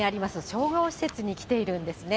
商業施設に来ているんですね。